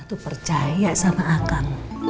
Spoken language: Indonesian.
aku percaya sama akang